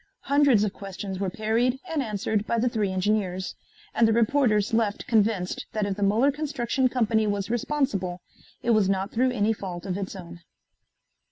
Hundreds of questions were parried and answered by the three engineers, and the reporters left convinced that if the Muller Construction Company was responsible, it was not through any fault of its own.